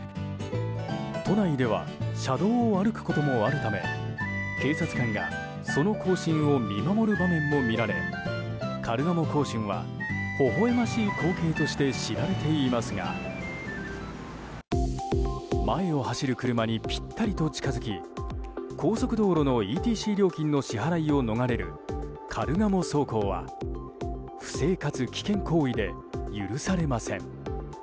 都内では車道を歩くこともあるため警察官がその行進を見守る場面も見られカルガモ行進は、ほほ笑ましい光景として知られていますが前を走る車にぴったりと近づき高速道路のＥＴＣ料金の支払いを逃れるカルガモ走行は、不正かつ危険行為で許されません。